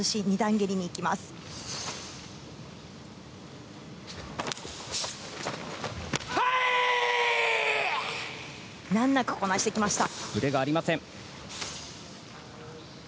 ブレがありません。